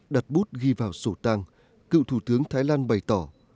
đặt bút ghi vào sổ tang cựu thủ tướng thái lan bày tỏ